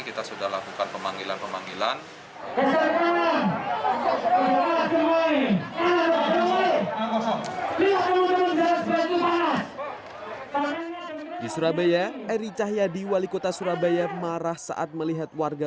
kita sudah lakukan pemanggilan pemanggilan di surabaya ericahyadi wali kota surabaya marah